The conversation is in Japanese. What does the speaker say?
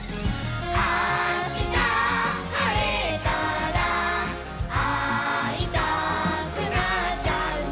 「あしたはれたらあいたくなっちゃうね」